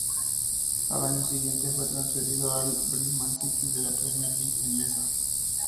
Al año siguiente fue transferido al Birmingham City de la Premier League inglesa.